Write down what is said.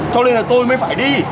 cho nên là tôi mới phải đi